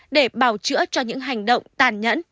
để bào chữa cho những hành động tàn nhẫn